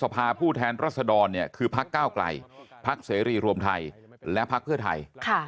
ผู้แทนรัศดรคือพักก้าวไกลพักเสรีรวมไทยและพักเพื่อไทย